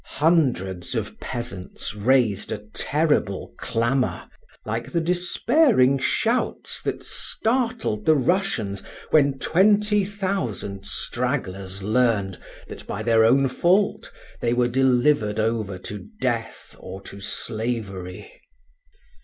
Hundreds of peasants raised a terrible clamor, like the despairing shouts that startled the Russians when twenty thousand stragglers learned that by their own fault they were delivered over to death or to slavery.